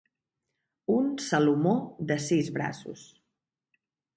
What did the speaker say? Un salomó de sis braços.